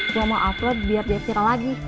gue mau upload biar dia tira lagi